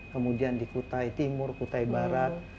kemudian di kutai timur kutai barat